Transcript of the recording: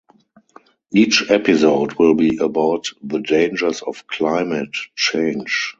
Each episode will be about the dangers of climate change.